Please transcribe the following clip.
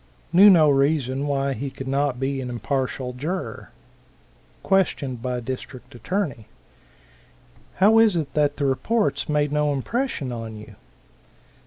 Knew no reason why he could not be an impartial juror. Question by District Attorney. "How is it that the reports made no impression on you?"